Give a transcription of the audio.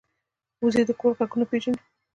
وزې د کور غږونه پېژني